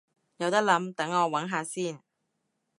有得諗，等我搵下先